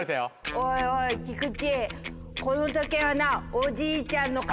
おいおい菊池。